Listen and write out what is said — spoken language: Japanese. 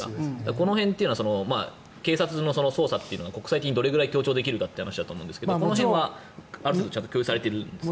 この辺というのは警察の捜査というのは国際的にどれくらい協調できるかという話だと思いますがこの辺はある程度共有されてるんですか。